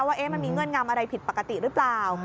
ว่ามันมีเงื่อนงำอะไรผิดปกติหรือเปล่า